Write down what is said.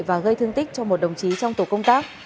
và gây thương tích cho một đồng chí trong tổ công tác